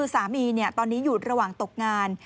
สามีตอนนี้อยู่ระหว่างตกงาน